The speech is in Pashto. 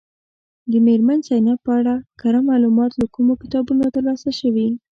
د میرمن زینب په اړه کره معلومات له کومو کتابونو ترلاسه شوي.